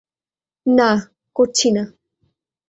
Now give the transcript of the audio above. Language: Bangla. না, করছি না।